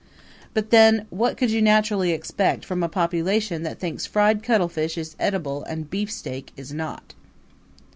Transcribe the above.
But then, what could you naturally expect from a population that thinks a fried cuttlefish is edible and a beefsteak is not?